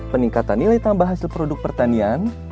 peningkatan nilai tambah hasil produk pertanian